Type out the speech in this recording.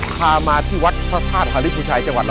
ข้ามาที่วักพระธาตุพลันริย์ผู้ชาย